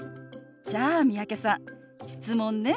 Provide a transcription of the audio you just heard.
じゃあ三宅さん質問ね。